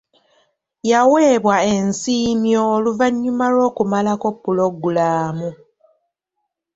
Yaweebwa ensiimyo oluvannyuma lw'okumalako pulogulaamu.